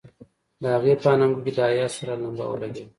د هغې په اننګو کې د حيا سره لمبه ولګېده.